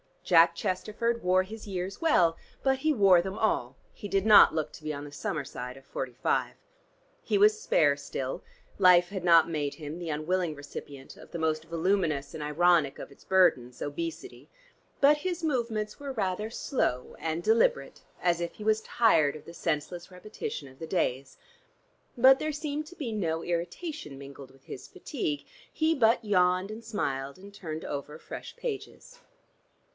Jack Chesterford wore his years well, but he wore them all; he did not look to be on the summer side of forty five. He was spare still: life had not made him the unwilling recipient of the most voluminous and ironic of its burdens, obesity, but his movements were rather slow and deliberate, as if he was tired of the senseless repetition of the days. But there seemed to be no irritation mingled with his fatigue: he but yawned and smiled, and turned over fresh pages.